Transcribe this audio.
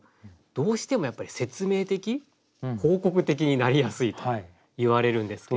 どうしてもやっぱり説明的報告的になりやすいといわれるんですけれど。